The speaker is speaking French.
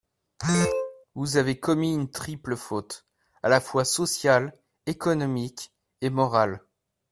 Vous avez commis une triple faute, à la fois sociale, économique, et morale.